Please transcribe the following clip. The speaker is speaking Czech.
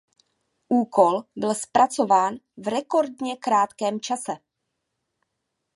Úkol byl zpracován v rekordně krátkém čase.